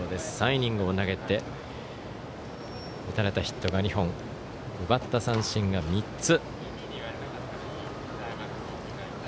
３イニングを投げて打たれたヒットが２本奪った三振が３つ。